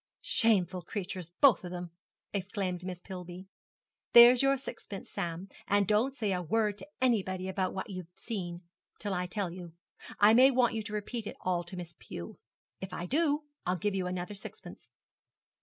'Shameful creatures, both of them!' exclaimed Miss Pillby. 'There's your sixpence, Sam, and don't say a word to anybody about what you've seen, till I tell you. I may want you to repeat it all to Miss Pew. If I do, I'll give you another sixpence.'